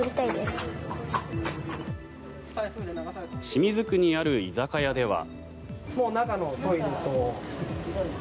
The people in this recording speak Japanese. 清水区にある居酒屋では。